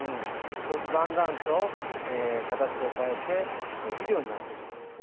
そうするとだんだんと形を変えて肥料になっていきます。